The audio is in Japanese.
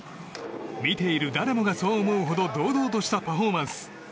見ている誰もがそう思うほど堂々としたパフォーマンス。